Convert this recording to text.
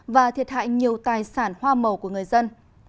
và thiệt hại nhiều tài sản hoa màu của người dân